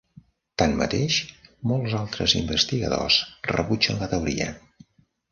Tanmateix, molts altres investigadors rebutgen la teoria.